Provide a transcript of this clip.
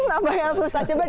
apa yang susah coba dikerahin